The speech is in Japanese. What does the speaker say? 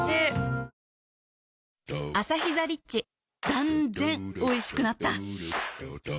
断然おいしくなった